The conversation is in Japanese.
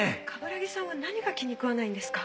鏑木さんは何が気に食わないんですか？